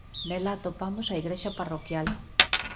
Nela atopamos a igrexa parroquial.